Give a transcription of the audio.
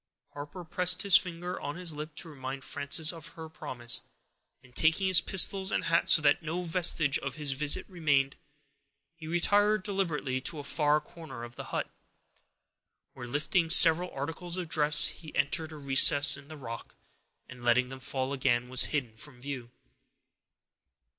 Harper pressed his finger on his lip, to remind Frances of her promise, and, taking his pistols and hat, so that no vestige of his visit remained, he retired deliberately to a far corner of the hut, where, lifting several articles of dress, he entered a recess in the rock, and, letting them fall again, was hid from view.